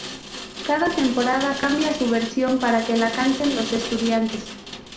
Cada temporada cambia su versión para que la canten los estudiantes.